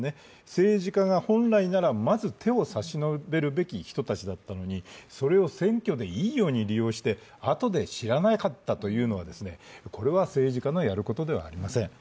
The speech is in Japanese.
政治家が本来ならまず手を差し伸べるべき人たちだったのにそれを選挙でいいように利用してあとで知らなかったと言うのはこれは政治家のやることではありません。